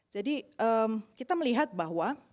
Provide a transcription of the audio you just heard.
jadi kita melihat bahwa